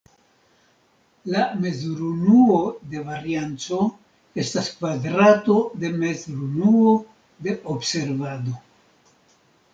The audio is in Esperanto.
La mezurunuo de varianco estas kvadrato de mezurunuo de observado.